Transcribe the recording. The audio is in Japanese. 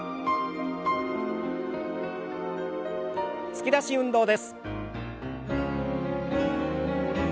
突き出し運動です。